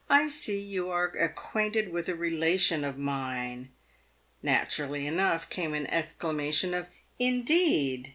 I see you are ac quainted with a relation of mine." Naturally enough came an ex clamation of " Indeed!"